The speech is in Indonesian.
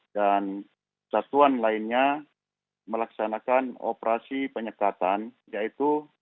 dan satuan lainnya melaksanakan operasi penyekatan yaitu